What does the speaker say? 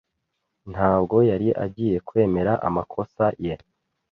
Ntabwo yari agiye kwemera amakosa ye